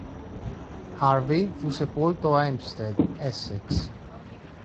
Harvey fu sepolto a Hempstead, Essex.